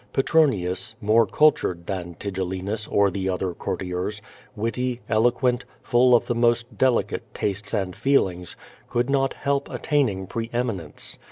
Petronius — more cultured than Tigel linus or the other courtiers, witty, eloquent, full of the most delicate tastes and feelings— could not help attaining pre eminence.